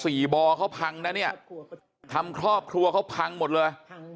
บ่อเขาพังนะเนี่ยทำครอบครัวเขาพังหมดเลย